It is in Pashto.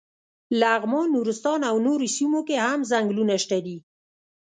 لغمان، نورستان او نورو سیمو کې هم څنګلونه شته دي.